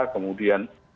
kemudian orang yang yang